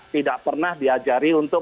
tidak pernah diajari untuk